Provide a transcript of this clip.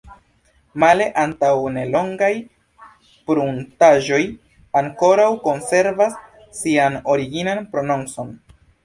Male antaŭnelongaj pruntaĵoj ankoraŭ konservas sian originan prononcon.